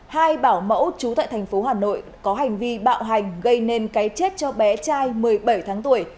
hai bảo mẫu trú tại thành phố hà nội có hành vi bạo hành gây nên cái chết cho bé trai một mươi bảy tháng tuổi